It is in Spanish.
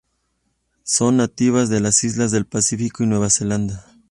Son nativas de las islas del Pacífico y Nueva Zelanda.